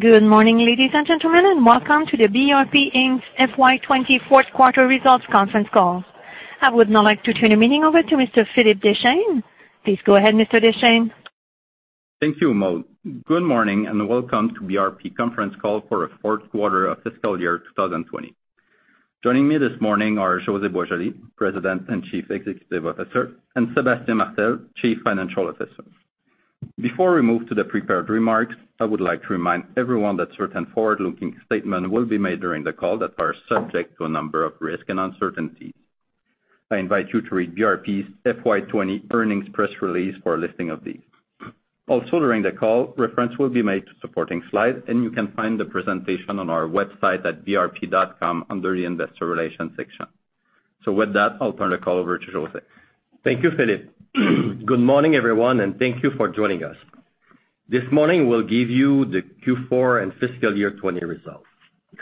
Good morning, ladies and gentlemen, welcome to the BRP Inc.'s FY 2020 fourth quarter results conference call. I would now like to turn the meeting over to Mr. Philippe Deschênes. Please go ahead, Mr. Deschênes. Thank you, Maude. Good morning, welcome to BRP conference call for the fourth quarter of fiscal year 2020. Joining me this morning are José Boisjoli, President and Chief Executive Officer, and Sébastien Martel, Chief Financial Officer. Before we move to the prepared remarks, I would like to remind everyone that certain forward-looking statements will be made during the call that are subject to a number of risks and uncertainties. I invite you to read BRP's FY 2020 earnings press release for a listing of these. During the call, reference will be made to supporting slides, and you can find the presentation on our website at brp.com under the investor relations section. With that, I'll turn the call over to José. Thank you, Philippe. Good morning, everyone, and thank you for joining us. This morning we'll give you the Q4 and fiscal year 2020 results.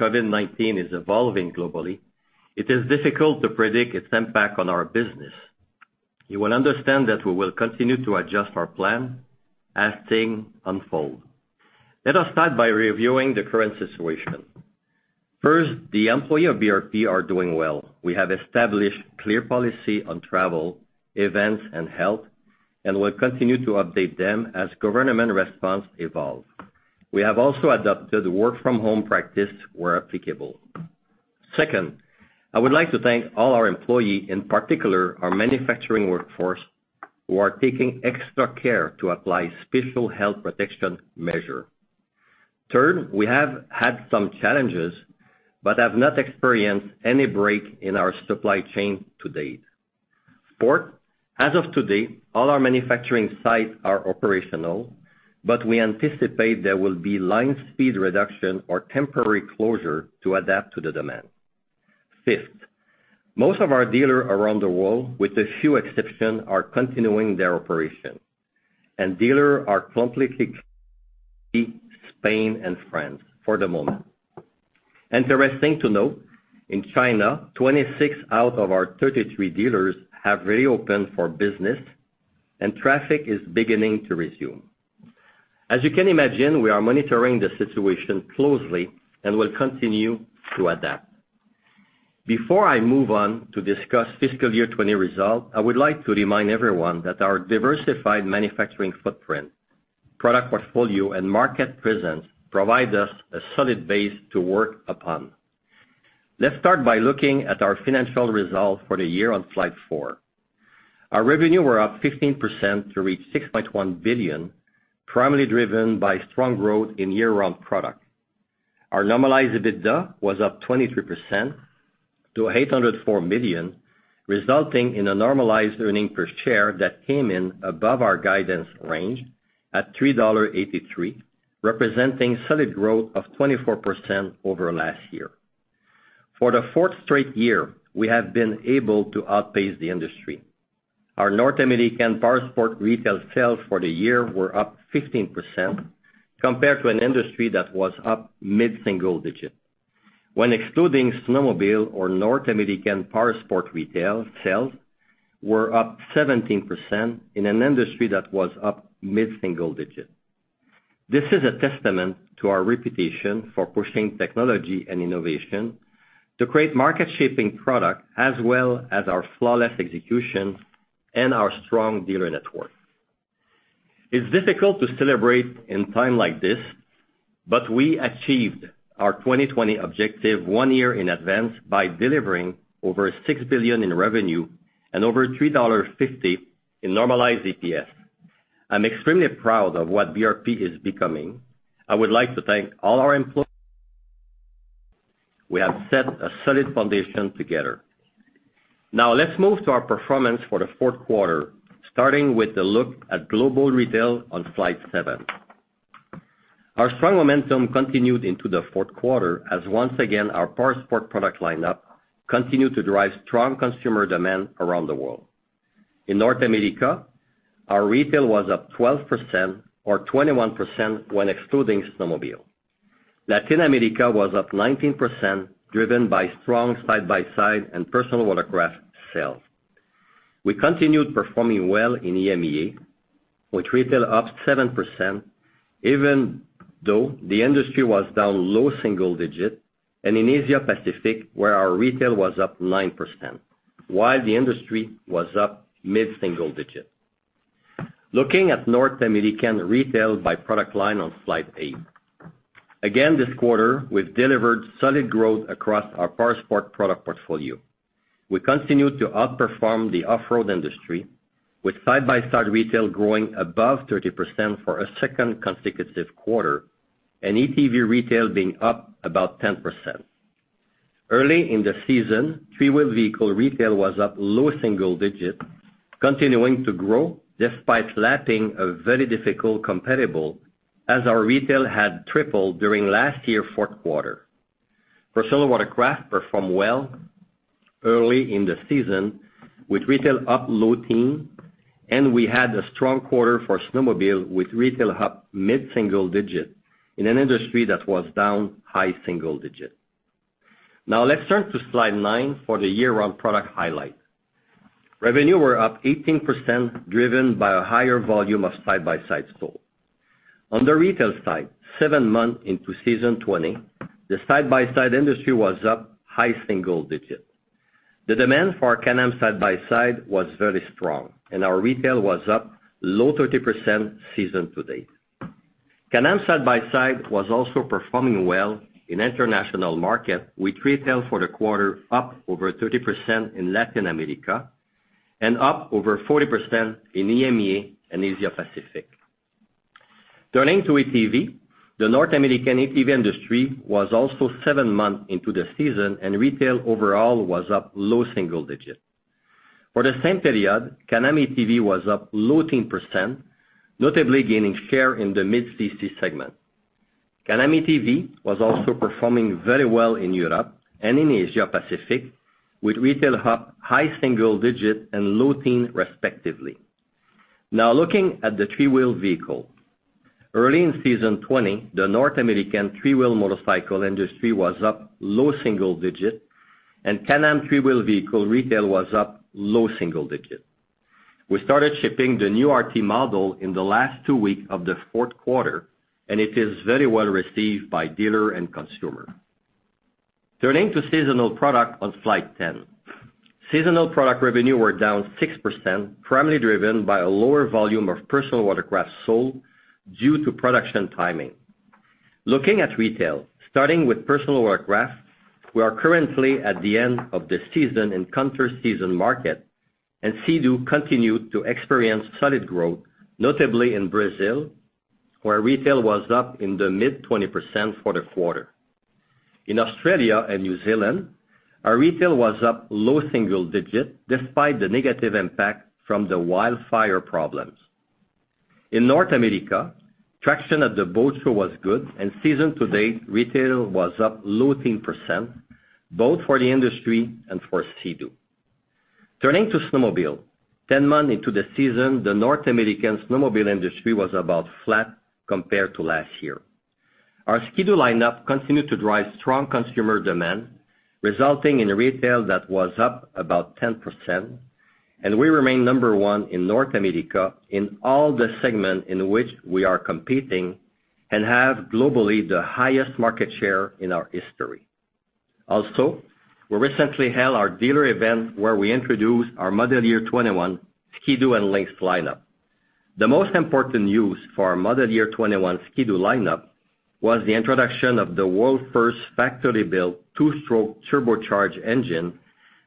COVID-19 is evolving globally. It is difficult to predict its impact on our business. You will understand that we will continue to adjust our plan as things unfold. Let us start by reviewing the current situation. First, the employee of BRP are doing well. We have established clear policy on travel, events, and health, and will continue to update them as government response evolve. We have also adopted work from home practice where applicable. Second, I would like to thank all our employee, in particular our manufacturing workforce, who are taking extra care to apply special health protection measure. Third, we have had some challenges but have not experienced any break in our supply chain to date. Fourth, as of today, all our manufacturing sites are operational, but we anticipate there will be line speed reduction or temporary closure to adapt to the demand. Fifth, most of our dealers around the world, with a few exceptions, are continuing their operation. Dealers are Spain and France for the moment. Interesting to note, in China, 26 out of our 33 dealers have reopened for business, and traffic is beginning to resume. As you can imagine, we are monitoring the situation closely and will continue to adapt. Before I move on to discuss fiscal year 2020 result, I would like to remind everyone that our diversified manufacturing footprint, product portfolio, and market presence provide us a solid base to work upon. Let's start by looking at our financial results for the year on slide four. Our revenue were up 15% to reach 6.1 billion, primarily driven by strong growth in year-round product. Our normalized EBITDA was up 23% to 804 million, resulting in a normalized earning per share that came in above our guidance range at 3.83 dollar, representing solid growth of 24% over last year. For the fourth straight year, we have been able to outpace the industry. Our North American Powersport retail sales for the year were up 15% compared to an industry that was up mid-single digit. When excluding snowmobile or North American Powersport retail, sales were up 17% in an industry that was up mid-single digit. This is a testament to our reputation for pushing technology and innovation to create market-shaping product, as well as our flawless execution and our strong dealer network. We achieved our 2020 objective one year in advance by delivering over 6 billion in revenue and over 3.50 dollars in normalized EPS. I'm extremely proud of what BRP is becoming. I would like to thank all our team. We have set a solid foundation together. Let's move to our performance for the fourth quarter, starting with a look at global retail on slide seven. Our strong momentum continued into the fourth quarter as once again, our Powersport product lineup continued to drive strong consumer demand around the world. In North America, our retail was up 12% or 21% when excluding snowmobile. Latin America was up 19%, driven by strong Side-by-Side and personal watercraft sales. We continued performing well in EMEA, with retail up 7%, even though the industry was down low single digit, and in Asia Pacific, where our retail was up 9%, while the industry was up mid-single digit. Looking at North American retail by product line on slide eight. Again this quarter, we've delivered solid growth across our Powersport product portfolio. We continue to outperform the off-road industry with Side-by-Side retail growing above 30% for a second consecutive quarter, and ATV retail being up about 10%. Early in the season, three-wheel vehicle retail was up low single digit, continuing to grow despite lapping a very difficult comparable as our retail had tripled during last year, fourth quarter. Personal watercraft performed well early in the season with retail up low teen, and we had a strong quarter for snowmobile with retail up mid-single digit in an industry that was down high single digit. Now let's turn to slide nine for the year-round product highlight. Revenue were up 18%, driven by a higher volume of Side-by-Sides sold. On the retail side, seven months into season 2020, the Side-by-Side industry was up high single digits. The demand for Can-Am Side-by-Side was very strong, and our retail was up low 30% season to date. Can-Am Side-by-Side was also performing well in international markets, with retail for the quarter up over 30% in Latin America and up over 40% in EMEA and Asia Pacific. Turning to ATV, the North American ATV industry was also seven months into the season, and retail overall was up low single digits. For the same period, Can-Am ATV was up low teen percent, notably gaining share in the mid-CC segment. Can-Am ATV was also performing very well in Europe and in Asia Pacific, with retail up high single digit and low teen respectively. Now looking at the three-wheel vehicle. Early in season 2020, the North American three-wheel motorcycle industry was up low single digits, and Can-Am three-wheel vehicle retail was up low single digits. We started shipping the new RT model in the last two weeks of the fourth quarter, and it is very well received by dealers and consumers. Turning to seasonal product on slide 10. Seasonal product revenue were down 6%, primarily driven by a lower volume of personal watercrafts sold due to production timing. Looking at retail, starting with personal watercraft, we are currently at the end of the season in counter-season market, and Sea-Doo continued to experience solid growth, notably in Brazil, where retail was up in the mid-20% for the quarter. In Australia and New Zealand, our retail was up low single digits despite the negative impact from the wildfire problems. In North America, traction at the Boat Show was good, and season to date, retail was up low teen percent, both for the industry and for Sea-Doo. Turning to snowmobile. 10 months into the season, the North American snowmobile industry was about flat compared to last year. Our Ski-Doo lineup continued to drive strong consumer demand, resulting in retail that was up about 10%, and we remain number one in North America in all the segments in which we are competing and have globally the highest market share in our history. We recently held our dealer event where we introduced our model year 2021 Ski-Doo and Lynx lineup. The most important news for our model year 2021 Ski-Doo lineup was the introduction of the world's first factory-built two-stroke turbocharged engine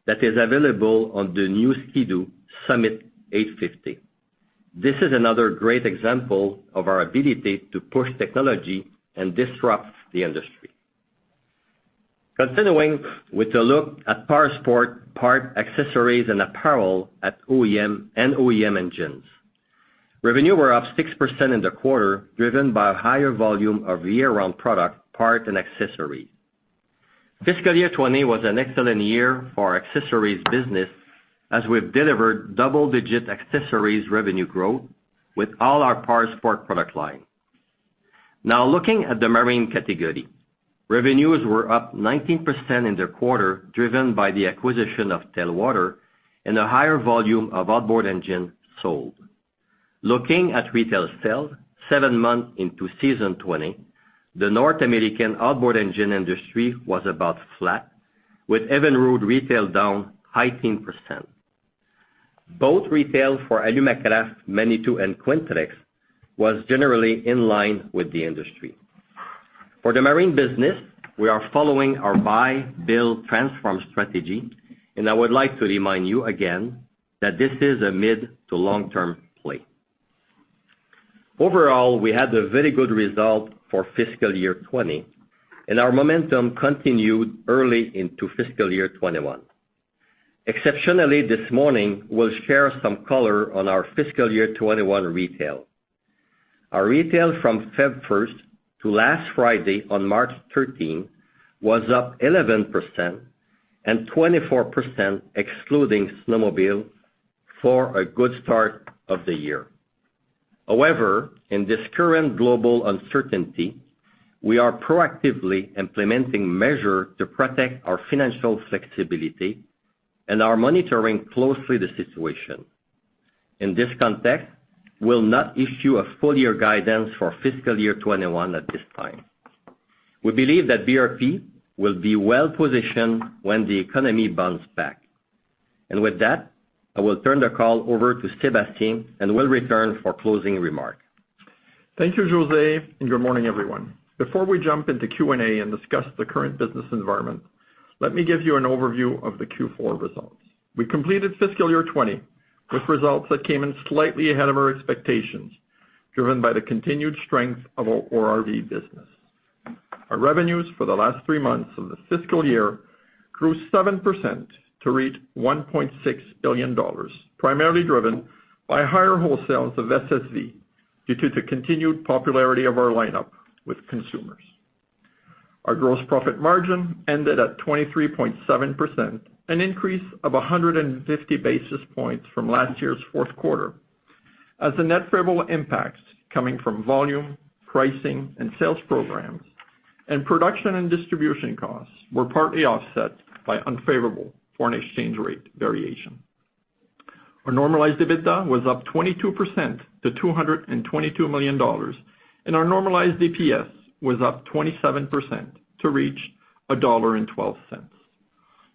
that is available on the new Ski-Doo Summit 850. This is another great example of our ability to push technology and disrupt the industry. Continuing with a look at Powersport parts, accessories, and apparel at OEM and OEM engines. Revenue were up 6% in the quarter, driven by a higher volume of year-round product parts and accessories. Fiscal year 2020 was an excellent year for our accessories business as we've delivered double-digit accessories revenue growth with all our Powersport product line. Looking at the Marine category. Revenues were up 19% in the quarter, driven by the acquisition of Telwater and a higher volume of outboard engines sold. Looking at retail sales, seven months into season 20, the North American outboard engine industry was about flat, with Evinrude retail down high teen percent. Both retail for Alumacraft, Manitou, and Quintrex was generally in line with the industry. For the Marine business, we are following our buy, build, transform strategy, and I would like to remind you again that this is a mid to long-term play. Overall, we had a very good result for fiscal year 2020, and our momentum continued early into fiscal year 2021. Exceptionally this morning, we'll share some color on our fiscal year 2021 retail. Our retail from February 1st to last Friday on March 13 was up 11% and 24% excluding snowmobile for a good start of the year. In this current global uncertainty, we are proactively implementing measures to protect our financial flexibility and are monitoring closely the situation. In this context, we will not issue a full-year guidance for fiscal year 2021 at this time. We believe that BRP will be well-positioned when the economy bounces back. With that, I will turn the call over to Sébastien and will return for closing remarks. Thank you, José. Good morning, everyone. Before we jump into Q&A and discuss the current business environment, let me give you an overview of the Q4 results. We completed fiscal year 2020 with results that came in slightly ahead of our expectations, driven by the continued strength of our ORV business. Our revenues for the last three months of the fiscal year grew 7% to reach 1.6 billion dollars, primarily driven by higher wholesales of SSV due to the continued popularity of our lineup with consumers. Our gross profit margin ended at 23.7%, an increase of 150 basis points from last year's fourth quarter. The net favorable impacts coming from volume, pricing, and sales programs, and production and distribution costs were partly offset by unfavorable foreign exchange rate variation. Our normalized EBITDA was up 22% to 222 million dollars, our normalized EPS was up 27% to reach 1.12 dollar.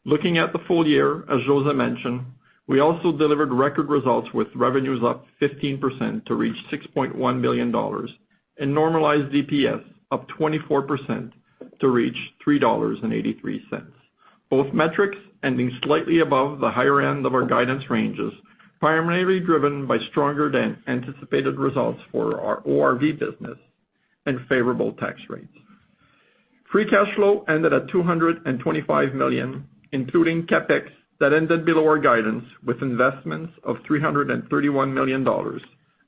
Looking at the full year, as José mentioned, we also delivered record results with revenues up 15% to reach 6.1 billion dollars, and normalized EPS up 24% to reach 3.83 dollars. Both metrics ending slightly above the higher end of our guidance ranges, primarily driven by stronger than anticipated results for our ORV business and favorable tax rates. Free cash flow ended at 225 million, including CapEx that ended below our guidance with investments of 331 million dollars,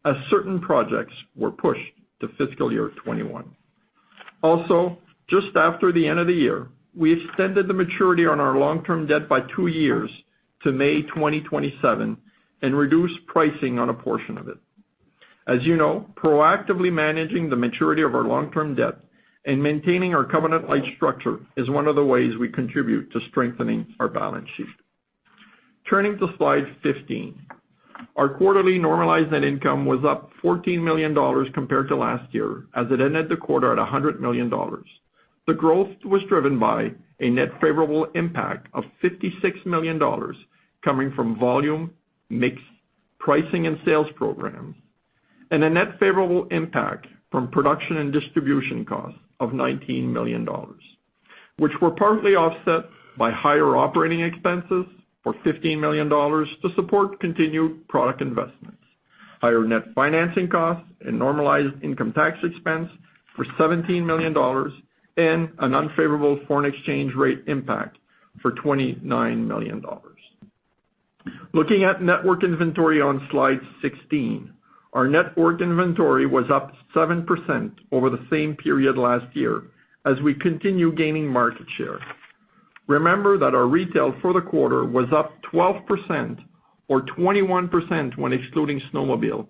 as certain projects were pushed to fiscal year 2021. Just after the end of the year, we extended the maturity on our long-term debt by two years to May 2027 and reduced pricing on a portion of it. As you know, proactively managing the maturity of our long-term debt and maintaining our covenant-lite structure is one of the ways we contribute to strengthening our balance sheet. Turning to slide 15. Our quarterly normalized net income was up 14 million dollars compared to last year, as it ended the quarter at 100 million dollars. The growth was driven by a net favorable impact of 56 million dollars, coming from volume, mix, pricing and sales programs, a net favorable impact from production and distribution costs of 19 million dollars, which were partly offset by higher operating expenses for 15 million dollars to support continued product investments, higher net financing costs and normalized income tax expense for 17 million dollars, an unfavorable foreign exchange rate impact for 29 million dollars. Looking at network inventory on slide 16. Our network inventory was up 7% over the same period last year as we continue gaining market share. Remember that our retail for the quarter was up 12% or 21% when excluding snowmobile.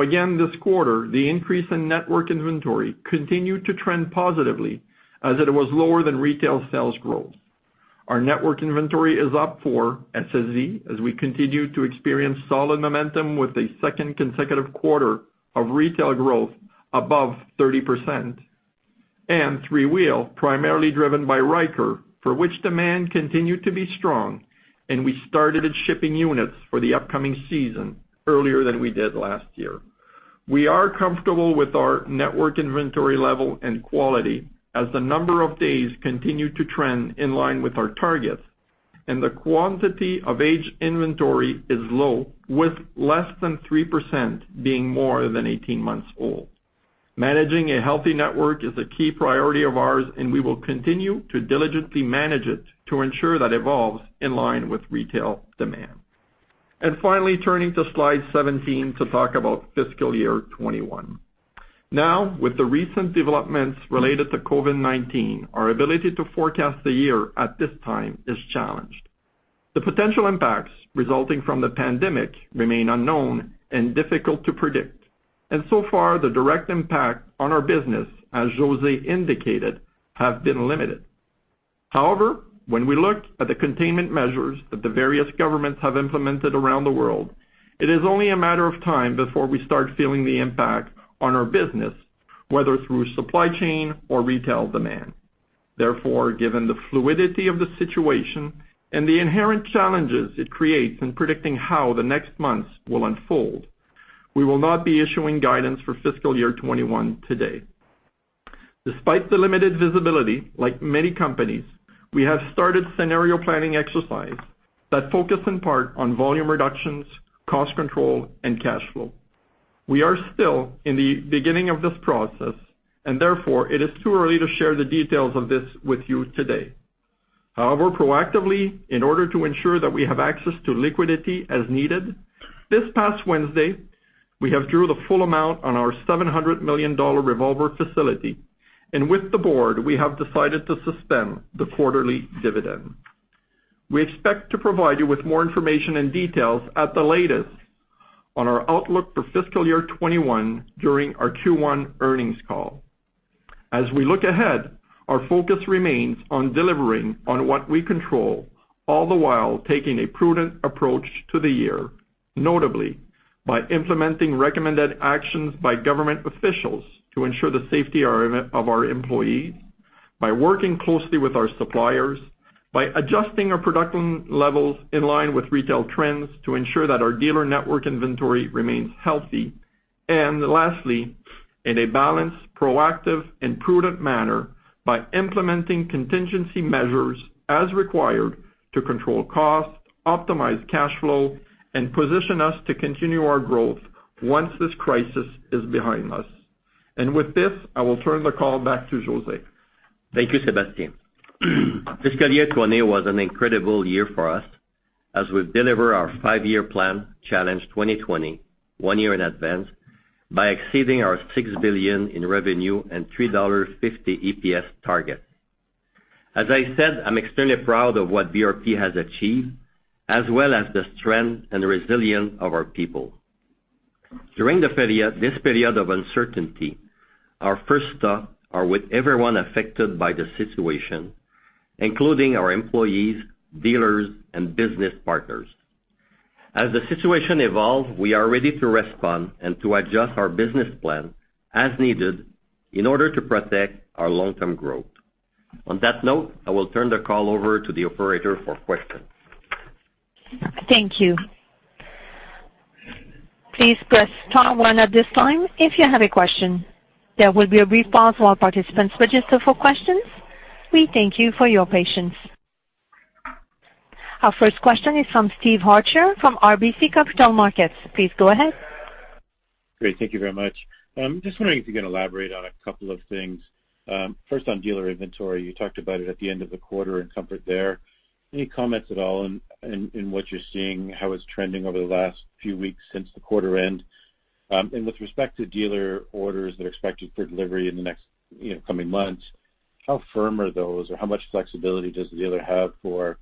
Again, this quarter, the increase in network inventory continued to trend positively as it was lower than retail sales growth. Our network inventory is up for SSV as we continue to experience solid momentum with a second consecutive quarter of retail growth above 30%, and three-wheel, primarily driven by Ryker, for which demand continued to be strong and we started shipping units for the upcoming season earlier than we did last year. We are comfortable with our network inventory level and quality as the number of days continue to trend in line with our targets, and the quantity of aged inventory is low, with less than 3% being more than 18 months old. Managing a healthy network is a key priority of ours, and we will continue to diligently manage it to ensure that evolves in line with retail demand. Finally, turning to slide 17 to talk about fiscal year 2021. With the recent developments related to COVID-19, our ability to forecast the year at this time is challenged. The potential impacts resulting from the pandemic remain unknown and difficult to predict. So far, the direct impact on our business, as José indicated, have been limited. When we look at the containment measures that the various governments have implemented around the world, it is only a matter of time before we start feeling the impact on our business, whether through supply chain or retail demand. Given the fluidity of the situation and the inherent challenges it creates in predicting how the next months will unfold, we will not be issuing guidance for fiscal year 2021 today. Despite the limited visibility, like many companies, we have started scenario planning exercise that focus in part on volume reductions, cost control, and cash flow. We are still in the beginning of this process. Therefore, it is too early to share the details of this with you today. However, proactively, in order to ensure that we have access to liquidity as needed, this past Wednesday, we have drew the full amount on our 700 million dollar revolver facility, and with the board, we have decided to suspend the quarterly dividend. We expect to provide you with more information and details at the latest on our outlook for fiscal year 2021 during our Q1 earnings call. As we look ahead, our focus remains on delivering on what we control, all the while taking a prudent approach to the year, notably by implementing recommended actions by government officials to ensure the safety of our employees, by working closely with our suppliers, by adjusting our production levels in line with retail trends to ensure that our dealer network inventory remains healthy. Lastly, in a balanced, proactive and prudent manner by implementing contingency measures as required to control costs, optimize cash flow, and position us to continue our growth once this crisis is behind us. With this, I will turn the call back to José. Thank you, Sébastien. Fiscal year 2020 was an incredible year for us as we deliver our five-year plan, Challenge 2020, one year in advance by exceeding our 6 billion in revenue and 3.50 dollars EPS target. As I said, I'm extremely proud of what BRP has achieved, as well as the strength and resilience of our people. During this period of uncertainty, our first thoughts are with everyone affected by the situation, including our employees, dealers, and business partners. As the situation evolves, we are ready to respond and to adjust our business plan as needed in order to protect our long-term growth. On that note, I will turn the call over to the operator for questions. Thank you. Please press star one at this time if you have a question. There will be a brief pause while participants register for questions. We thank you for your patience. Our first question is from Steve Arthur from RBC Capital Markets. Please go ahead. Great. Thank you very much. I'm just wondering if you can elaborate on a couple of things. First, on dealer inventory, you talked about it at the end of the quarter and comfort there. Any comments at all in what you're seeing, how it's trending over the last few weeks since the quarter end? With respect to dealer orders that are expected for delivery in the next coming months, how firm are those, or how much flexibility does the dealer have for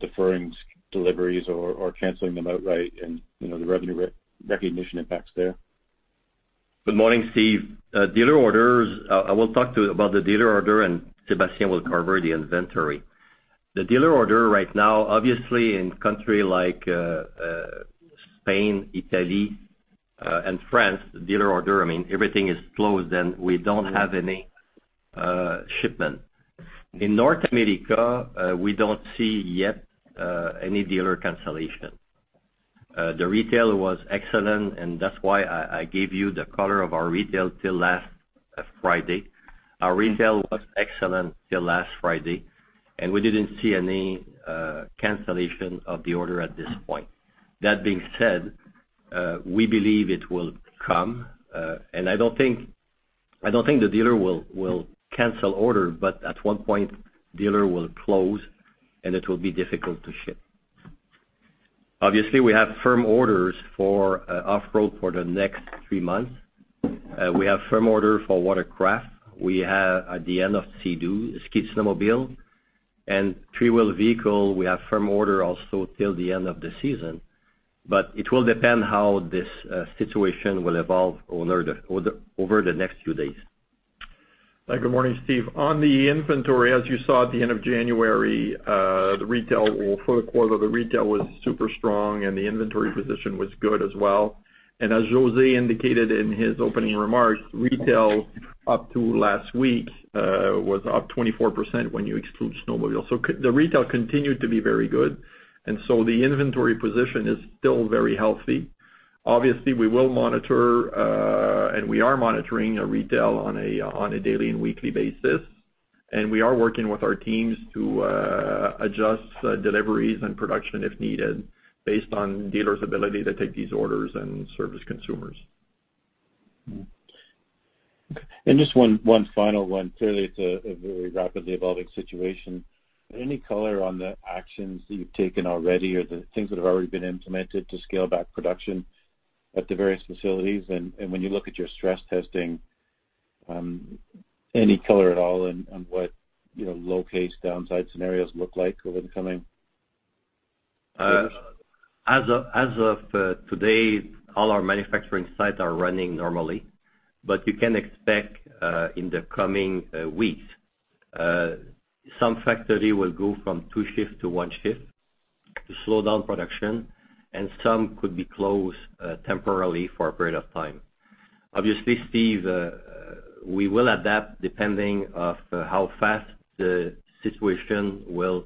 deferring deliveries or canceling them outright and the revenue recognition impacts there? Good morning, Steve. I will talk to you about the dealer order, and Sébastien will cover the inventory. The dealer order right now, obviously in countries like Spain, Italy, and France, everything is closed, and we don't have any shipment. In North America, we don't see yet any dealer cancellation. The retail was excellent, and that's why I gave you the color of our retail till last Friday. Our retail was excellent till last Friday, and we didn't see any cancellation of the order at this point. That being said, we believe it will come. I don't think the dealer will cancel order, but at one point, dealer will close, and it will be difficult to ship. Obviously, we have firm orders for off-road for the next three months. We have firm order for watercraft. We have, at the end of Sea-Doo, the ski snowmobile. Three-wheel vehicle, we have firm order also till the end of the season. It will depend how this situation will evolve over the next few days. Good morning, Steve. On the inventory, as you saw at the end of January, for the quarter, the retail was super strong, and the inventory position was good as well. As José indicated in his opening remarks, retail up to last week was up 24% when you exclude snowmobile. The retail continued to be very good, the inventory position is still very healthy. Obviously, we will monitor, and we are monitoring retail on a daily and weekly basis. We are working with our teams to adjust deliveries and production if needed based on dealers' ability to take these orders and service consumers. Okay. Just one final one. Clearly, it's a very rapidly evolving situation. Any color on the actions that you've taken already or the things that have already been implemented to scale back production at the various facilities? When you look at your stress testing, any color at all on what low-case downside scenarios look like over the coming quarters? As of today, all our manufacturing sites are running normally. You can expect in the coming weeks some factory will go from two shifts to one shift to slow down production, and some could be closed temporarily for a period of time. Obviously, Steve, we will adapt depending on how fast the situation will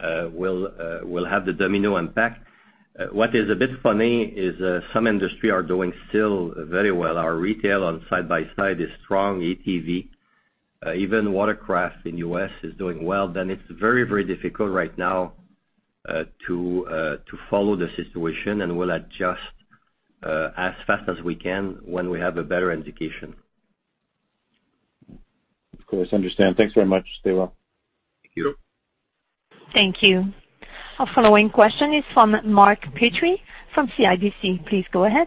have the domino impact. What is a bit funny is some industry are doing still very well. Our retail on Side-by-Side is strong, ATV. Even watercraft in the U.S. is doing well. It's very difficult right now to follow the situation, and we'll adjust as fast as we can when we have a better indication. Of course. Understand. Thanks very much. Stay well. Thank you. Thank you. Our following question is from Mark Petrie from CIBC. Please go ahead.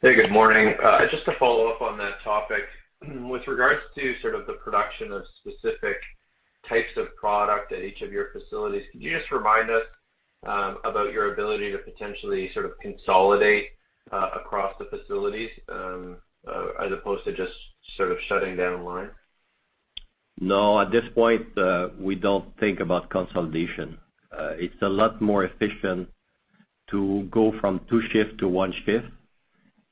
Hey, good morning. Just to follow up on that topic. With regards to sort of the production of specific types of product at each of your facilities, could you just remind us about your ability to potentially sort of consolidate across the facilities as opposed to just sort of shutting down a line? No, at this point, we don't think about consolidation. It's a lot more efficient to go from two shifts to one shift.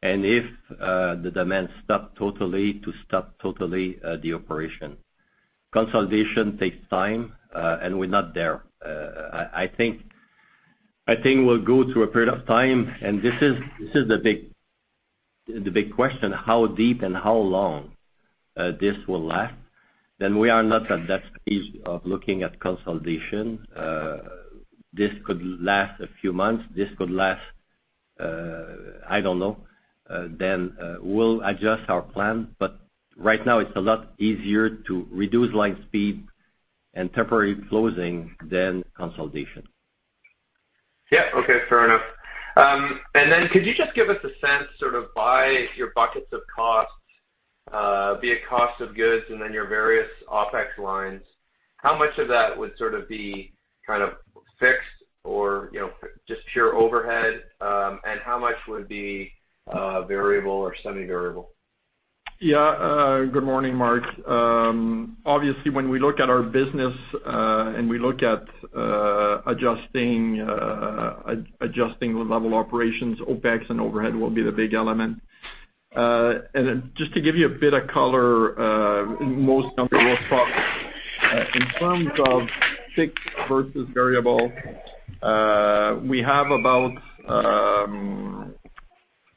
If the demand stops totally, to stop totally the operation. Consolidation takes time, and we're not there. I think we'll go through a period of time, and this is the big question, how deep and how long this will last, then we are not at that stage of looking at consolidation. This could last a few months, this could last, I don't know. We'll adjust our plan. Right now it's a lot easier to reduce line speed and temporary closing than consolidation. Yeah. Okay, fair enough. Could you just give us a sense by your buckets of costs, be it cost of goods and then your various OpEx lines, how much of that would be fixed or just pure overhead, and how much would be variable or semi-variable? Yeah. Good morning, Mark. Obviously, when we look at our business, and we look at adjusting level operations, OpEx and overhead will be the big element. Then just to give you a bit of color, in most numbers we talk. In terms of fixed versus variable, we have about,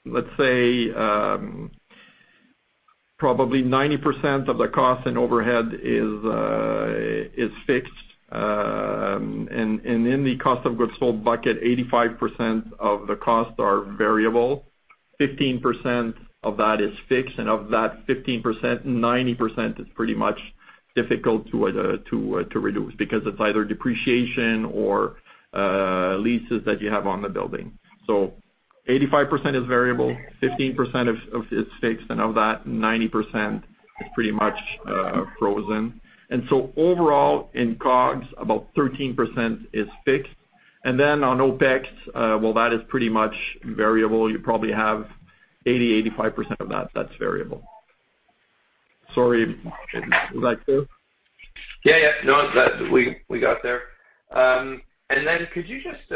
let's say, probably 90% of the cost and overhead is fixed. In the cost of goods sold bucket, 85% of the costs are variable, 15% of that is fixed, and of that 15%, 90% is pretty much difficult to reduce because it's either depreciation or leases that you have on the building. 85% is variable, 15% is fixed, and of that, 90% is pretty much frozen. Overall, in COGS, about 13% is fixed. Then on OpEx, well, that is pretty much variable. You probably have 80%-85% of that's variable. Sorry, was that good? Yeah. No, we got there. Could you just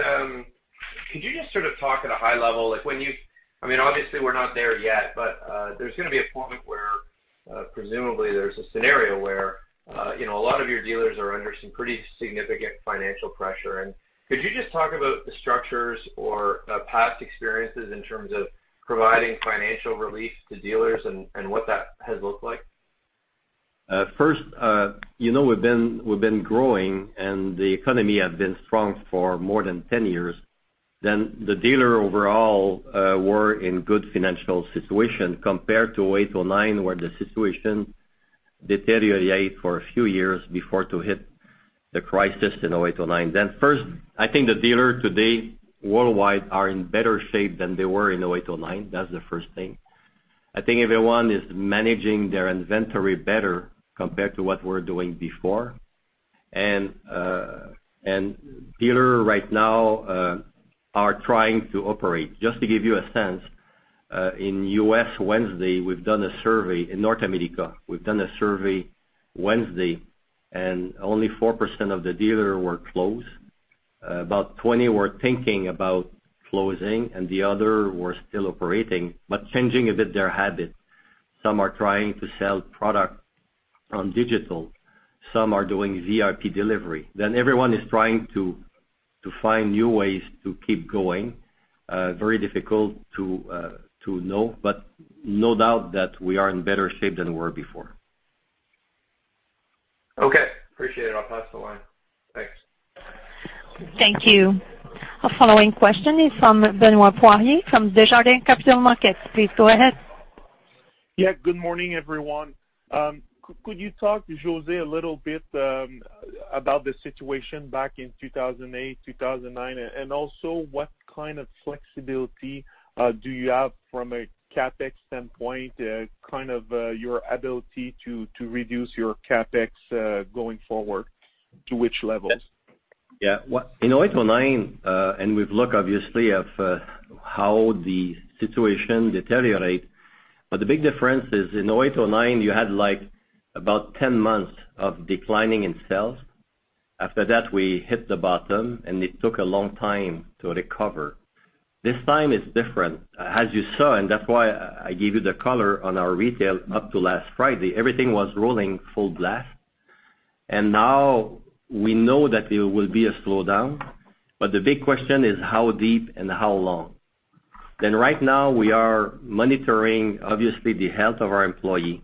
talk at a high level, obviously we're not there yet, but there's going to be a point where presumably there's a scenario where a lot of your dealers are under some pretty significant financial pressure. Could you just talk about the structures or past experiences in terms of providing financial relief to dealers and what that has looked like? First, we've been growing and the economy has been strong for more than 10 years. The dealer overall were in good financial situation compared to 2008, 2009, where the situation deteriorate for a few years before to hit the crisis in 2008, 2009. First, I think the dealer today worldwide are in better shape than they were in 2008, 2009. That's the first thing. I think everyone is managing their inventory better compared to what we were doing before. Dealer right now are trying to operate. Just to give you a sense, in U.S., Wednesday, we've done a survey. In North America, we've done a survey Wednesday, and only 4% of the dealer were closed. About 20% were thinking about closing, and the other were still operating, but changing a bit their habit. Some are trying to sell product on digital. Some are doing VIP delivery. Everyone is trying to find new ways to keep going. Very difficult to know, but no doubt that we are in better shape than we were before. Okay. Appreciate it. I'll pass the line. Thanks. Thank you. Our following question is from Benoit Poirier from Desjardins Capital Markets. Please go ahead. Yeah. Good morning, everyone. Could you talk, José, a little bit about the situation back in 2008, 2009, and also what kind of flexibility do you have from a CapEx standpoint, your ability to reduce your CapEx, going forward, to which levels? Yeah. In 2008, 2009, and we've looked obviously of how the situation deteriorate, but the big difference is in 2008, 2009, you had about 10 months of declining in sales. After that, we hit the bottom, and it took a long time to recover. This time is different, as you saw, and that's why I gave you the color on our retail up to last Friday. Everything was rolling full blast. Now we know that there will be a slowdown, but the big question is how deep and how long. Right now we are monitoring, obviously, the health of our employees.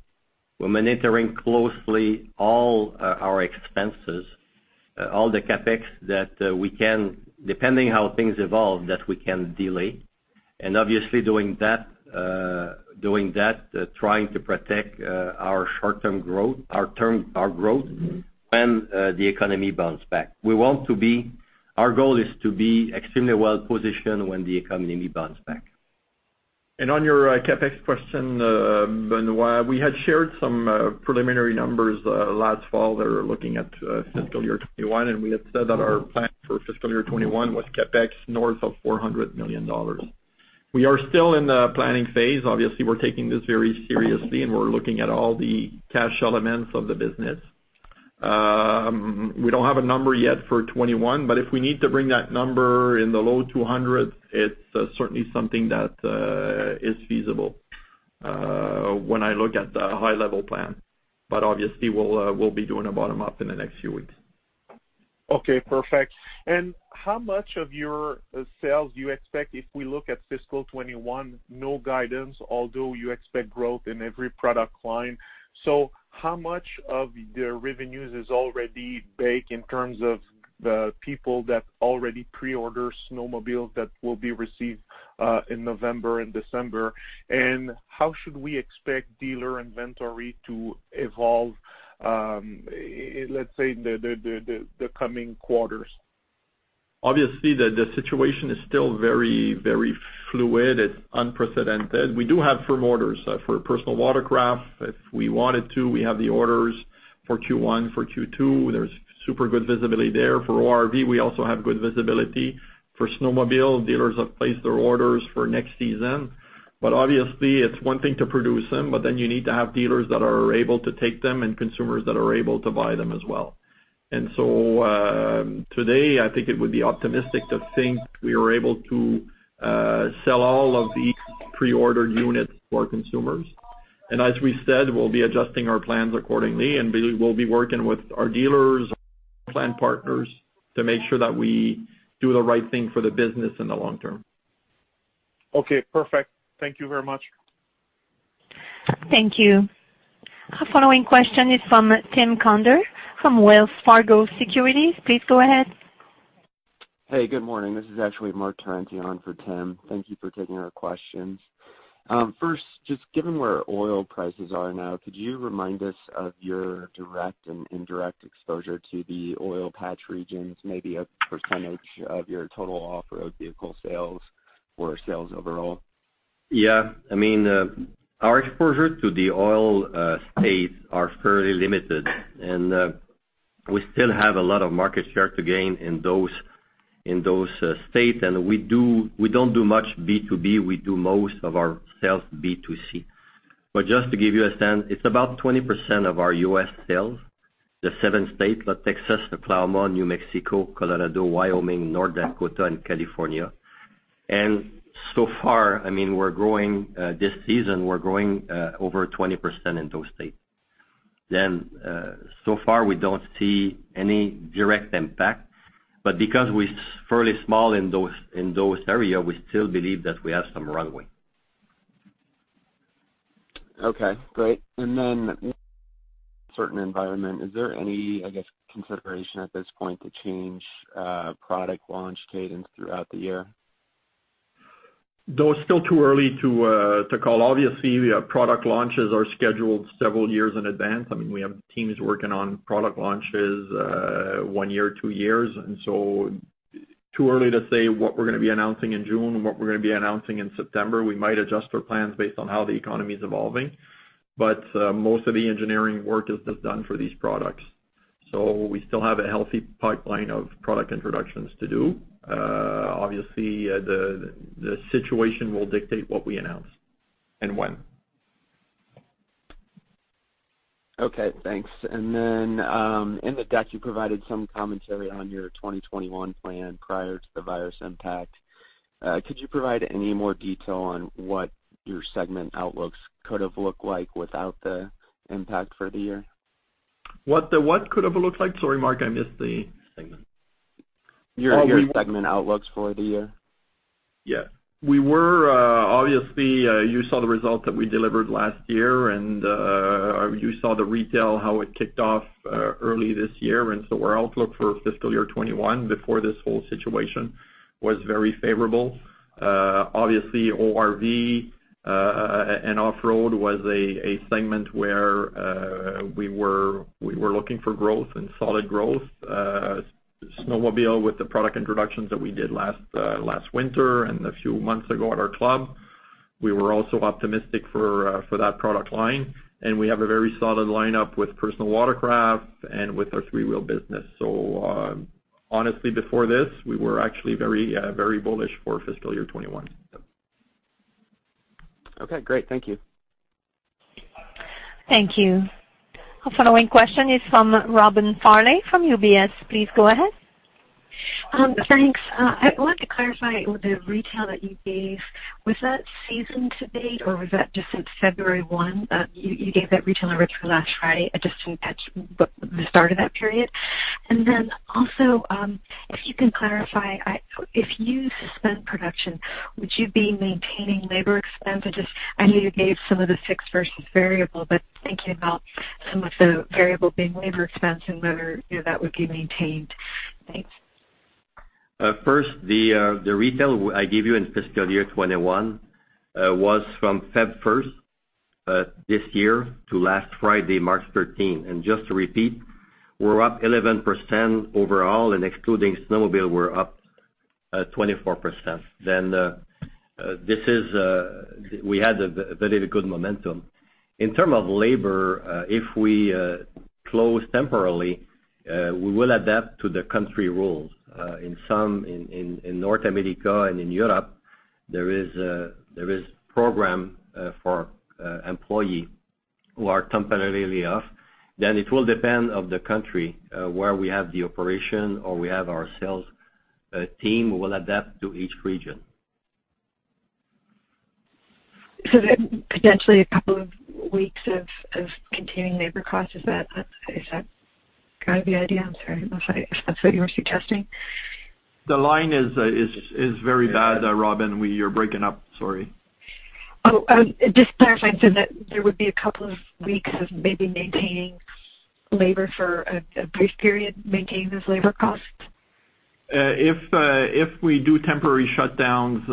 We're monitoring closely all our expenses, all the CapEx that we can, depending how things evolve, that we can delay. Obviously doing that, trying to protect our short-term growth, our growth when the economy bounce back. Our goal is to be extremely well-positioned when the economy bounce back. On your CapEx question, Benoit, we had shared some preliminary numbers last fall that are looking at fiscal year 2021, and we had said that our plan for fiscal year 2021 was CapEx north of 400 million dollars. We are still in the planning phase. Obviously, we're taking this very seriously, and we're looking at all the cash elements of the business. We don't have a number yet for 2021, but if we need to bring that number in the low CAD 200s, it's certainly something that is feasible when I look at the high-level plan. Obviously, we'll be doing a bottom-up in the next few weeks. Okay, perfect. How much of your sales do you expect if we look at fiscal 2021, no guidance, although you expect growth in every product line? How much of the revenues is already baked in terms of the people that already pre-order snowmobiles that will be received in November and December? How should we expect dealer inventory to evolve, let's say, the coming quarters? Obviously, the situation is still very fluid. It's unprecedented. We do have firm orders for personal watercraft. If we wanted to, we have the orders for Q1, for Q2. There's super good visibility there. For ORV, we also have good visibility. For snowmobile, dealers have placed their orders for next season. Obviously it's one thing to produce them, but then you need to have dealers that are able to take them and consumers that are able to buy them as well. Today, I think it would be optimistic to think we are able to sell all of these pre-ordered units for consumers. As we said, we'll be adjusting our plans accordingly, and we'll be working with our dealers, plan partners to make sure that we do the right thing for the business in the long term. Okay, perfect. Thank you very much. Thank you. Our following question is from Tim Conder from Wells Fargo Securities. Please go ahead. Hey, good morning. This is actually Mark Trenter on for Tim. Thank you for taking our questions. First, just given where oil prices are now, could you remind us of your direct and indirect exposure to the oil patch regions, maybe a percentage of your total off-road vehicle sales or sales overall? Yeah. Our exposure to the oil states are fairly limited, and we still have a lot of market share to gain in those states. We don't do much B2B, we do most of our sales B2C. Just to give you a sense, it's about 20% of our U.S. sales. The seven states, the Texas, Oklahoma, New Mexico, Colorado, Wyoming, North Dakota and California. So far, this season we're growing over 20% in those states. So far we don't see any direct impact, but because we're fairly small in those area, we still believe that we have some runway. Okay, great. Certain environment, is there any, I guess, consideration at this point to change product launch cadence throughout the year? Though it's still too early to call. Obviously, product launches are scheduled several years in advance. We have teams working on product launches one year or two years, too early to say what we're going to be announcing in June and what we're going to be announcing in September. We might adjust our plans based on how the economy's evolving, most of the engineering work is just done for these products. We still have a healthy pipeline of product introductions to do. Obviously, the situation will dictate what we announce and when. Okay, thanks. In the deck, you provided some commentary on your 2021 plan prior to the virus impact. Could you provide any more detail on what your segment outlooks could have looked like without the impact for the year? What could have looked like? Sorry, Mark. Segment. Your segment outlooks for the year. Yeah. Obviously, you saw the results that we delivered last year and you saw the retail, how it kicked off early this year. Our outlook for fiscal year 2021, before this whole situation, was very favorable. Obviously, ORV, and off-road was a segment where we were looking for growth and solid growth. Snowmobile, with the product introductions that we did last winter and a few months ago at our club, we were also optimistic for that product line. We have a very solid lineup with personal watercraft and with our three-wheel business. Honestly, before this, we were actually very bullish for fiscal year 2021. Okay, great. Thank you. Thank you. Our following question is from Robin Farley from UBS. Please go ahead. Thanks. I want to clarify with the retail that you gave, was that season to date or was that just since February 1? You gave that retail number for last Friday. I just didn't catch the start of that period. If you can clarify, if you suspend production, would you be maintaining labor expenses? I know you gave some of the fixed versus variable, but thinking about some of the variable being labor expense and whether that would be maintained. Thanks. First, the retail I gave you in fiscal year 2021 was from February 1st this year to last Friday, March 13th. Just to repeat, we're up 11% overall and excluding snowmobile, we're up 24%. We had a very good momentum. In term of labor, if we close temporarily, we will adapt to the country rules. In North America and in Europe, there is program for employee who are temporarily off, then it will depend of the country where we have the operation or we have our sales team. We will adapt to each region. Potentially a couple of weeks of containing labor costs. Is that kind of the idea? I'm sorry if that's what you were suggesting. The line is very bad, Robin. You're breaking up. Sorry. Just clarifying, that there would be a couple of weeks of maybe maintaining labor for a brief period, maintaining those labor costs? If we do temporary shutdowns,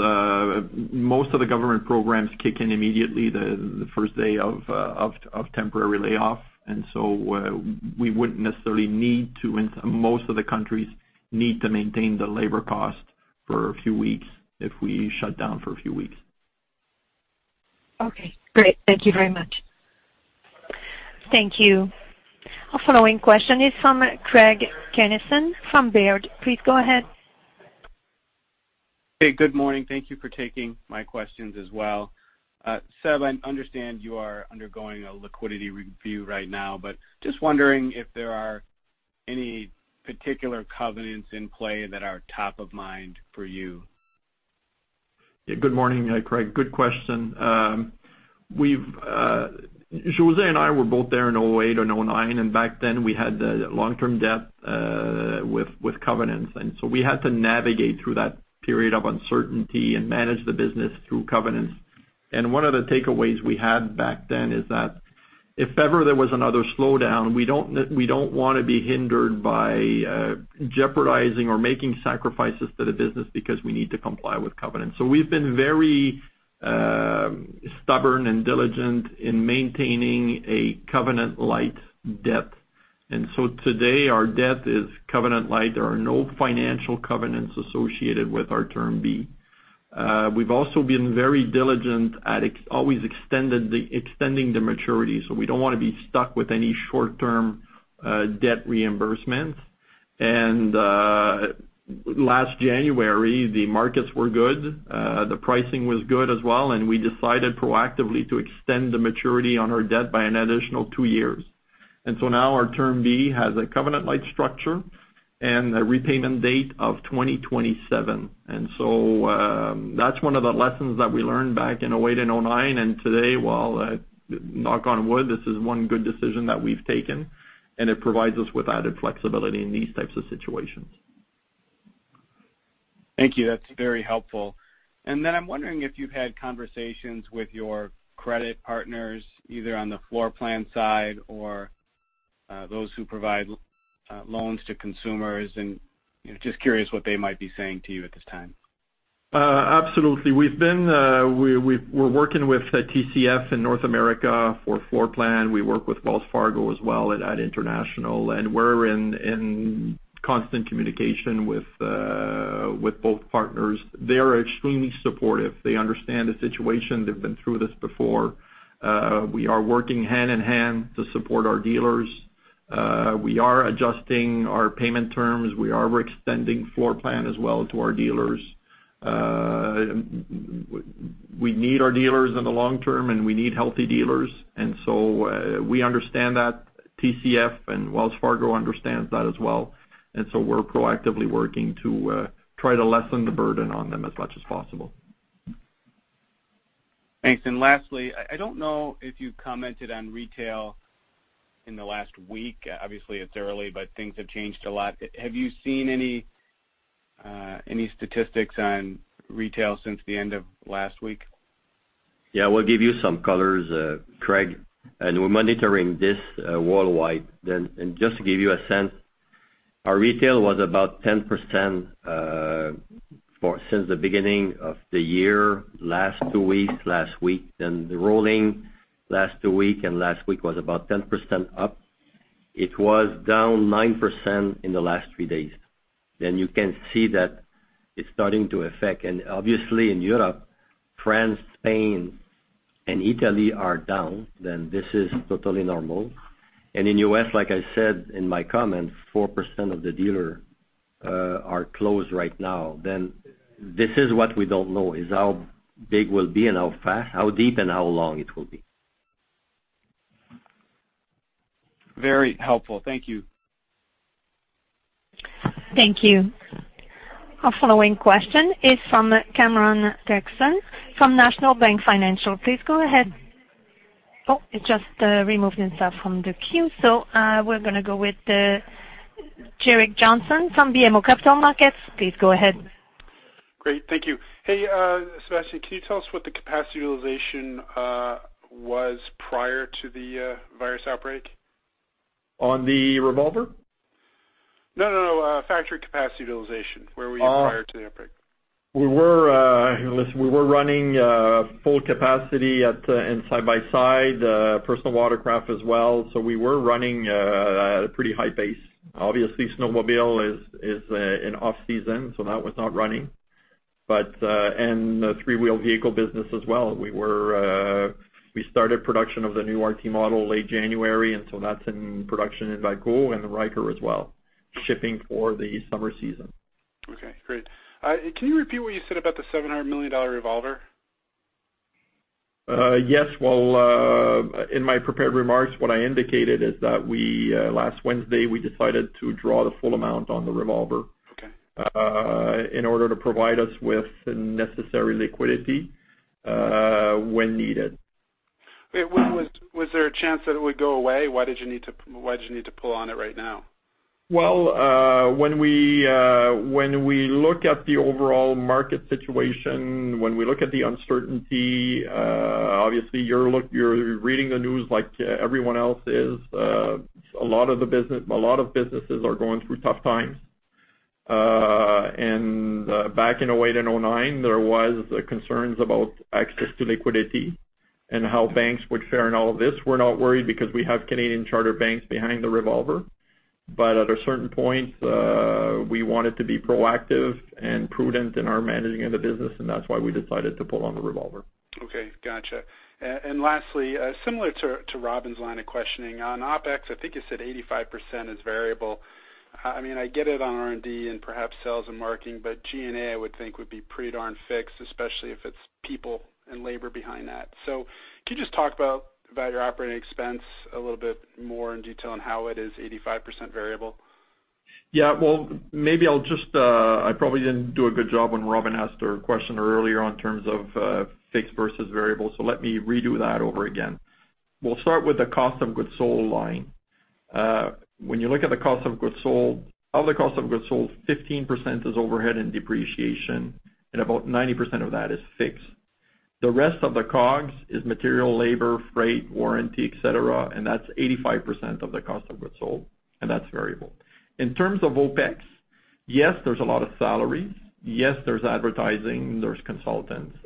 most of the government programs kick in immediately the first day of temporary layoff. We wouldn't necessarily need to, in most of the countries, need to maintain the labor cost for a few weeks if we shut down for a few weeks. Okay, great. Thank you very much. Thank you. Our following question is from Craig Kennison from Baird. Please go ahead. Hey, good morning. Thank you for taking my questions as well. Seb, I understand you are undergoing a liquidity review right now. Just wondering if there are any particular covenants in play that are top of mind for you? Good morning, Craig. Good question. José and I were both there in 2008 and 2009, and back then we had the long-term debt with covenants. We had to navigate through that period of uncertainty and manage the business through covenants. One of the takeaways we had back then is that if ever there was another slowdown, we don't want to be hindered by jeopardizing or making sacrifices to the business because we need to comply with covenants. We've been very stubborn and diligent in maintaining a covenant light debt. Today, our debt is covenant light. There are no financial covenants associated with our Term Loan B. We've also been very diligent at always extending the maturity. We don't want to be stuck with any short-term debt reimbursements. Last January, the markets were good. The pricing was good as well, we decided proactively to extend the maturity on our debt by an additional two years. Now our Term B has a covenant light structure and a repayment date of 2027. That's one of the lessons that we learned back in 2008 and 2009. Today, while, knock on wood, this is one good decision that we've taken, and it provides us with added flexibility in these types of situations. Thank you. That's very helpful. I'm wondering if you've had conversations with your credit partners, either on the floor plan side or those who provide loans to consumers, and just curious what they might be saying to you at this time. Absolutely. We're working with TCF in North America for floor plan. We work with Wells Fargo as well at international, and we're in constant communication with both partners. They are extremely supportive. They understand the situation. They've been through this before. We are working hand-in-hand to support our dealers. We are adjusting our payment terms. We are extending floor plan as well to our dealers. We need our dealers in the long term, and we need healthy dealers. We understand that TCF and Wells Fargo understands that as well, and so we're proactively working to try to lessen the burden on them as much as possible. Thanks. Lastly, I don't know if you commented on retail in the last week. Obviously, it's early, but things have changed a lot. Have you seen any statistics on retail since the end of last week? Yeah, we'll give you some colors, Craig. We're monitoring this worldwide. Just to give you a sense, our retail was about 10% since the beginning of the year, last two weeks, last week. The rolling last two week and last week was about 10% up. It was down 9% in the last three days. You can see that it's starting to affect. Obviously, in Europe, France, Spain, and Italy are down, this is totally normal. In U.S., like I said in my comments, 4% of the dealer are closed right now. This is what we don't know, is how big will be and how fast, how deep, and how long it will be. Very helpful. Thank you. Thank you. Our following question is from Cameron Dickson from National Bank Financial. Please go ahead. Oh, it just removed himself from the queue, so we're going to go with Gerrick Johnson from BMO Capital Markets. Please go ahead. Great. Thank you. Hey, Sébastien, can you tell us what the capacity utilization was prior to the virus outbreak? On the revolver? No. Factory capacity utilization, where were you prior to the outbreak? We were running full capacity at the end, Side-by-Side, personal watercraft as well. We were running a pretty high pace. Obviously, snowmobile is in off-season, so that was not running. The three-wheel vehicle business as well, we started production of the new RT model late January, and so that's in production in Valcourt and the Ryker as well, shipping for the summer season. Okay, great. Can you repeat what you said about the 700 million dollar revolver? Yes. Well, in my prepared remarks, what I indicated is that last Wednesday, we decided to draw the full amount on the revolver. Okay. In order to provide us with necessary liquidity when needed. Wait, was there a chance that it would go away? Why did you need to pull on it right now? Well, when we look at the overall market situation, when we look at the uncertainty, obviously you're reading the news like everyone else is. A lot of businesses are going through tough times. Back in 2008 and 2009, there was concerns about access to liquidity and how banks would fare in all of this. We're not worried because we have Canadian charter banks behind the revolver. At a certain point, we wanted to be proactive and prudent in our managing of the business, and that's why we decided to pull on the revolver. Okay, got you. Lastly, similar to Robin's line of questioning. On OpEx, I think you said 85% is variable. I get it on R&D and perhaps sales and marketing, but G&A, I would think would be pretty darn fixed, especially if it's people and labor behind that. Can you just talk about your operating expense a little bit more in detail on how it is 85% variable? I probably didn't do a good job when Robin asked her question earlier in terms of fixed versus variable, so let me redo that over again. We'll start with the cost of goods sold line. When you look at the cost of goods sold, of the cost of goods sold, 15% is overhead and depreciation, and about 90% of that is fixed. The rest of the COGS is material, labor, freight, warranty, et cetera, and that's 85% of the cost of goods sold, and that's variable. In terms of OpEx, yes, there's a lot of salaries. Yes, there's advertising, there's consultants.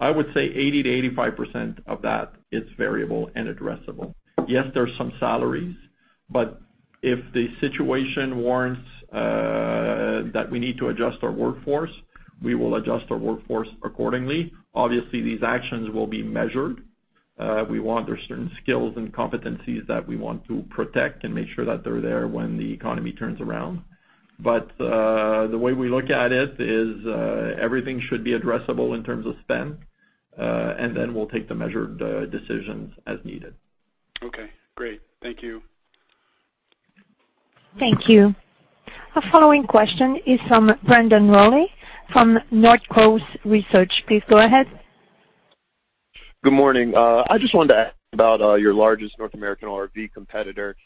I would say 80%-85% of that is variable and addressable. Yes, there's some salaries, if the situation warrants that we need to adjust our workforce, we will adjust our workforce accordingly. Obviously, these actions will be measured. There's certain skills and competencies that we want to protect and make sure that they're there when the economy turns around. The way we look at it is everything should be addressable in terms of spend, and then we'll take the measured decisions as needed. Okay, great. Thank you. Thank you. Our following question is from Brandon Rollé from Northcoast Research. Please go ahead. Good morning. I just wanted to ask about your largest North American ORV competitor.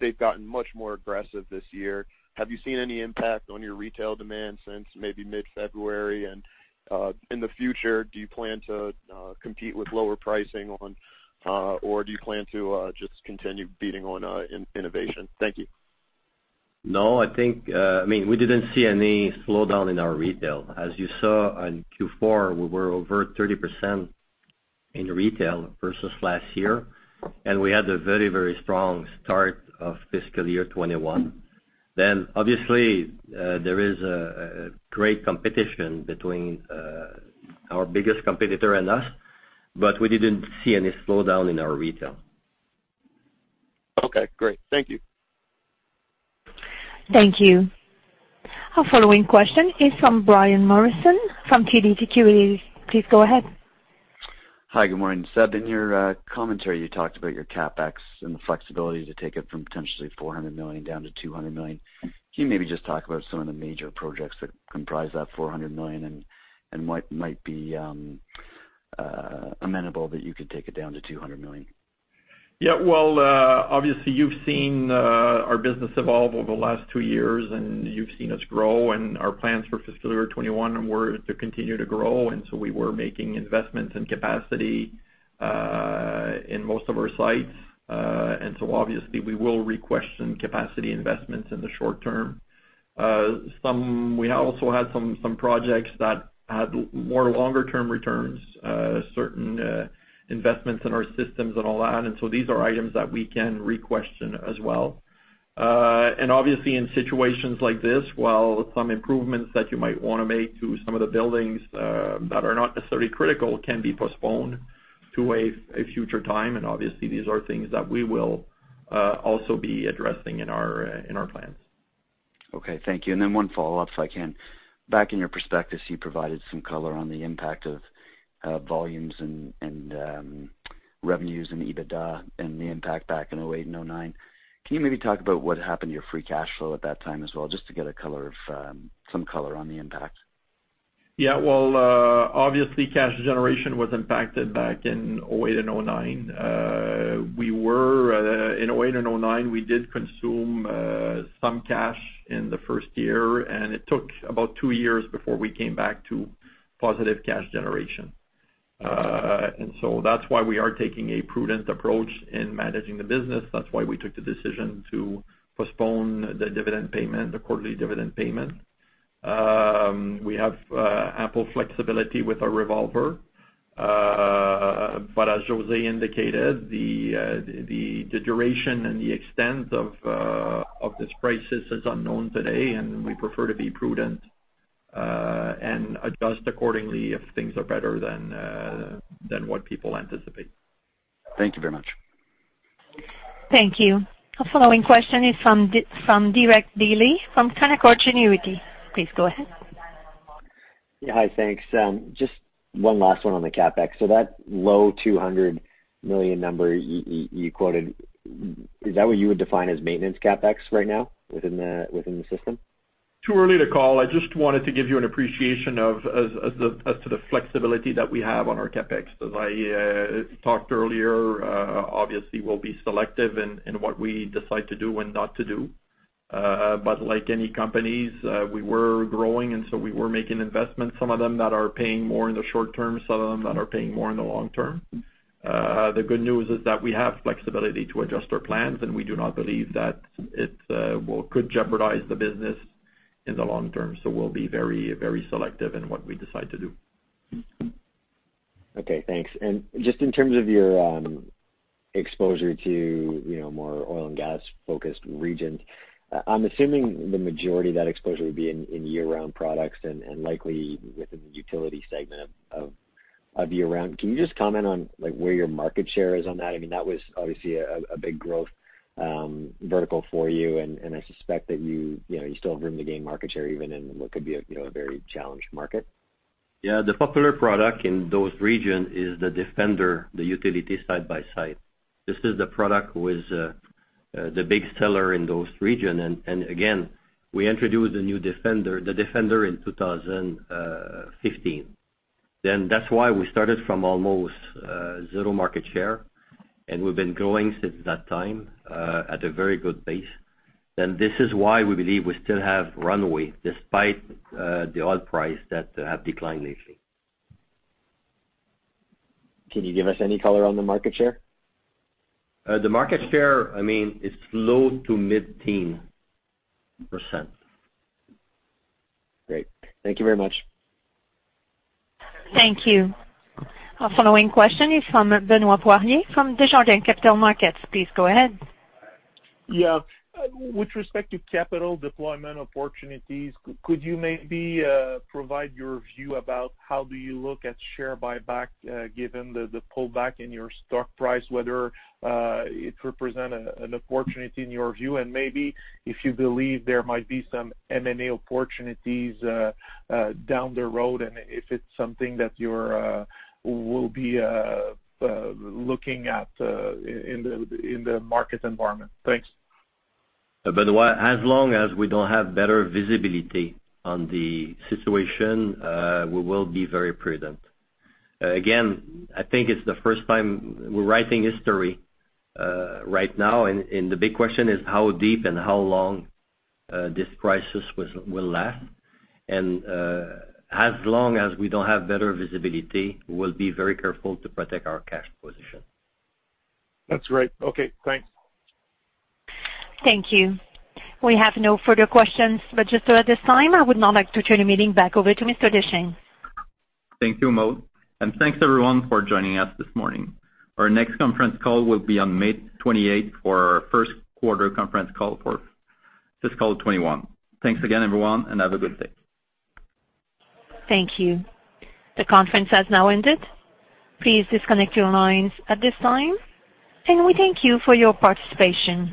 They've gotten much more aggressive this year. Have you seen any impact on your retail demand since maybe mid-February? In the future, do you plan to compete with lower pricing, or do you plan to just continue beating on innovation? Thank you. No. We didn't see any slowdown in our retail. As you saw on Q4, we were over 30% in retail versus last year, and we had a very strong start of fiscal year 2021. Obviously, there is a great competition between our biggest competitor and us, but we didn't see any slowdown in our retail. Okay, great. Thank you. Thank you. Our following question is from Brian Morrison from TD Securities. Please go ahead. Hi, good morning, Sébastien. In your commentary, you talked about your CapEx and the flexibility to take it from potentially 400 million down to 200 million. Can you maybe just talk about some of the major projects that comprise that 400 million and what might be amenable that you could take it down to 200 million? Yeah. Obviously, you've seen our business evolve over the last two years and you've seen us grow and our plans for fiscal year 2021 were to continue to grow. We were making investments in capacity in most of our sites. Obviously we will re-question capacity investments in the short term. We also had some projects that had more longer term returns, certain investments in our systems and all that. These are items that we can re-question as well. Obviously in situations like this, while some improvements that you might want to make to some of the buildings that are not necessarily critical can be postponed to a future time. Obviously these are things that we will also be addressing in our plans. Okay. Thank you. One follow-up, if I can. Back in your prospectus, you provided some color on the impact of volumes and revenues and EBITDA and the impact back in 2008 and 2009. Can you maybe talk about what happened to your free cash flow at that time as well, just to get some color on the impact? Yeah. Obviously cash generation was impacted back in 2008 and 2009. In 2008 and 2009, we did consume some cash in the first year, and it took about two years before we came back to positive cash generation. That's why we are taking a prudent approach in managing the business. That's why we took the decision to postpone the quarterly dividend payment. We have ample flexibility with our revolver. As José indicated, the duration and the extent of this crisis is unknown today, and we prefer to be prudent and adjust accordingly if things are better than what people anticipate. Thank you very much. Thank you. Our following question is from Derek Dley from Canaccord Genuity. Please go ahead. Hi, thanks. Just one last one on the CapEx. That low 200 million number you quoted, is that what you would define as maintenance CapEx right now within the system? Too early to call. I just wanted to give you an appreciation as to the flexibility that we have on our CapEx. As I talked earlier, obviously we'll be selective in what we decide to do and not to do. Like any companies, we were growing and so we were making investments, some of them that are paying more in the short term, some of them that are paying more in the long term. The good news is that we have flexibility to adjust our plans, and we do not believe that it could jeopardize the business in the long term. We'll be very selective in what we decide to do. Okay, thanks. Just in terms of your exposure to more oil and gas-focused regions, I'm assuming the majority of that exposure would be in year-round products and likely within the utility segment of year round. Can you just comment on where your market share is on that? That was obviously a big growth vertical for you, and I suspect that you still have room to gain market share even in what could be a very challenged market. Yeah. The popular product in those regions is the Defender, the utility Side-by-Side. This is the product that is the big seller in those regions. Again, we introduced the new Defender in 2015. That's why we started from almost zero market share, and we've been growing since that time at a very good pace. This is why we believe we still have runway, despite the oil price that have declined lately. Can you give us any color on the market share? The market share, it's low to mid-teen percent. Great. Thank you very much. Thank you. Our following question is from Benoit Poirier from Desjardins Capital Markets. Please go ahead. Yeah. With respect to capital deployment opportunities, could you maybe provide your view about how do you look at share buyback, given the pullback in your stock price, whether it represent an opportunity in your view, and maybe if you believe there might be some M&A opportunities down the road, and if it's something that you will be looking at in the market environment? Thanks. Benoit, as long as we don't have better visibility on the situation, we will be very prudent. Again, I think it's the first time we're writing history right now, and the big question is how deep and how long this crisis will last. As long as we don't have better visibility, we'll be very careful to protect our cash position. That's great. Okay, thanks. Thank you. We have no further questions registered at this time. I would now like to turn the meeting back over to Mr. Deschênes. Thank you, Maude, and thanks, everyone, for joining us this morning. Our next conference call will be on May 28th for our first quarter conference call for fiscal 2021. Thanks again, everyone, and have a good day. Thank you. The conference has now ended. Please disconnect your lines at this time, and we thank you for your participation.